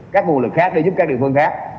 các nguồn lực khác để giúp các địa phương khác